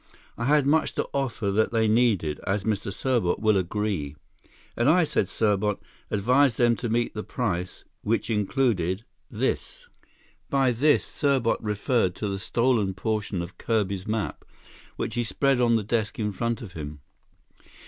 I had much to offer that they needed, as Mr. Serbot will agree." "And I," said Serbot, "advised them to meet the price, which included—this." By "this" Serbot referred to the stolen portion of Kirby's map, which he spread on the desk in front of him.